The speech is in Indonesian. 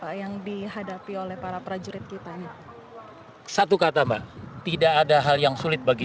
pak yang dihadapi oleh para prajurit kita ini satu kata mbak tidak ada hal yang sulit bagi